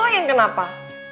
lo yang kenapa